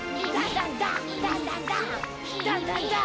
どんどんどん！